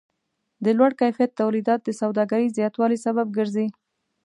د لوړ کیفیت تولیدات د سوداګرۍ زیاتوالی سبب ګرځي.